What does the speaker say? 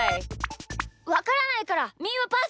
わからないからみーはパス！